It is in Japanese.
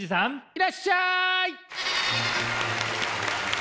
いらっしゃい！